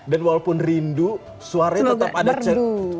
dan walaupun rindu suaranya tetap ada cengkok cengkok